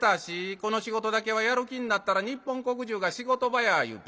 『この仕事だけはやる気になったら日本国じゅうが仕事場や』いうて」。